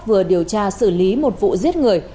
vừa điều tra xử lý một vụ giết người